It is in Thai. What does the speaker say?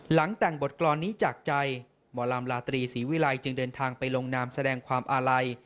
หลังแต่งบทกรรมนี้จากใจหมอลำลาตรีศรีวิลัยจึงเดินทางไปลงนามแสดงความอาลัย